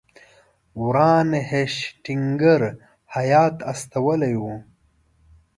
وارن هیسټینګز هیات استولی وو.